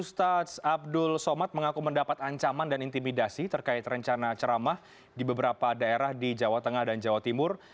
ustadz abdul somad mengaku mendapat ancaman dan intimidasi terkait rencana ceramah di beberapa daerah di jawa tengah dan jawa timur